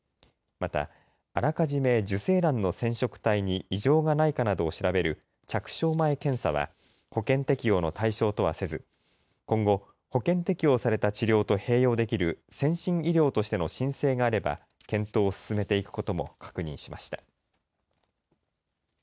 また、あらかじめ受精卵の染色体に異常がないかなどを調べる着床前検査は保険適用の対象とはせず今後、保険適用された治療と併用できる先進医療としての申請があれば検討を進めていくことも確認しました。